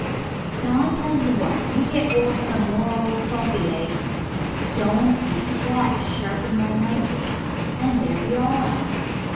"Now I tell you what, you get 'old of some more old sofy legs and a stone and a strap to sharpen my knife with. And there we are.